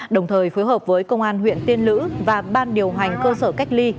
đồng thời phối hợp với công an huyện tiên lữ và ban điều hành cơ sở cách ly